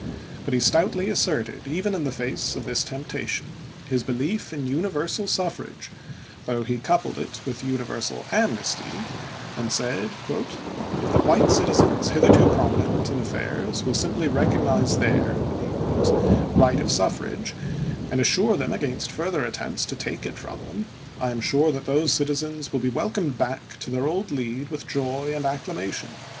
But he stoutly asserted, even in the face of this temp tation, his belief in universal suffrage, though he coupled it with universal amnesty, and said: " If the white citizens hitherto prominent in affairs will simply recognize their [the negroes'] right of suffrage, and assure them against future attempts to take it from them, I am sure that those citizens to Beimont, w^ ^e welcomed back to their old lead with joy M&?0' and acclamation.